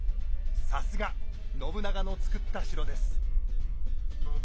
さすが信長の造った城です。